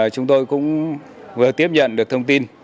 chúng tôi cũng vừa tiếp nhận được thông tin